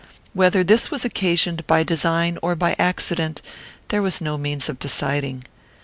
Whether this was occasioned by design or by accident there was no means of deciding.